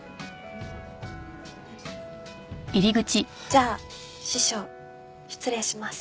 じゃあ師匠失礼します。